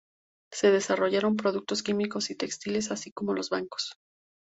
Se desarrollaron productos químicos y textiles, así como los bancos.